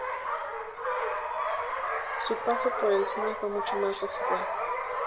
Su paso por el cine fue mucho más residual.